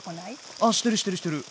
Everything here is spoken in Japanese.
ああしてるしてるしてる。